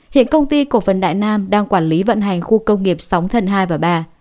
hiện công ty cổ phần đại nam đang quản lý vận hành khu công nghiệp sóng thần hai và ba